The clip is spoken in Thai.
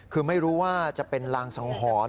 คือไม่รู้ว่าจะเป็นรางสังหรณ์